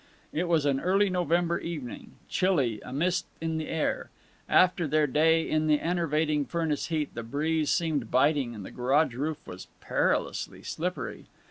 It was an early November evening, chilly, a mist in the air. After their day in the enervating furnace heat the breeze seemed biting, and the garage roof was perilously slippery.